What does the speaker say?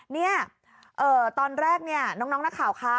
เนี่ยตอนแรกเนี่ยน้องนักข่าวคะ